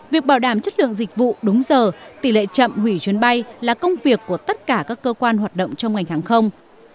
việc bảo đảm chất lượng dịch vụ đúng giờ tỷ lệ chậm hủy chuyến bay là công việc của tất cả các cơ quan hoạt động trong ngành hàng không